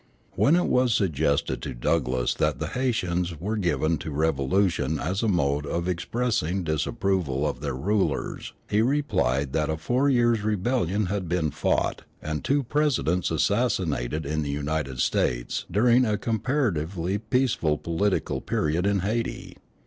When it was suggested to Douglass that the Haytians were given to revolution as a mode of expressing disapproval of their rulers, he replied that a four years' rebellion had been fought and two Presidents assassinated in the United States during a comparatively peaceful political period in Hayti.